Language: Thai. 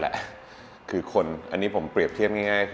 คือคือคนอันนี้ผมเปรียบเทียบง่าย